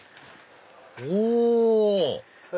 お！